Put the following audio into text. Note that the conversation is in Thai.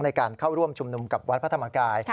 ในการเข้าร่วมชุมนุมกับวัดพระธรรมกาย